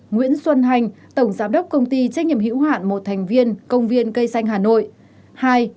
nguyễn xuân hành tổng giám đốc công ty trách nhiệm hữu hạn một thành viên công viên cây xanh hà nội